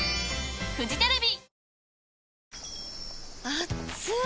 あっつい！